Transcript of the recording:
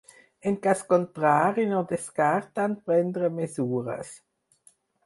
En cas contrari no descarten prendre “mesures”.